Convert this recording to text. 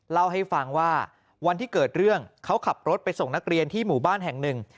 เล่าให้ฟังว่าวันที่เกิดเรื่องเขาขับรถไปส่งนักเรียนที่หมู่บ้านแห่งหนึ่ง